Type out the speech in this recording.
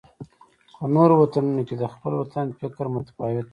په نورو وطنونو کې د خپل وطن فکر متفاوت دی.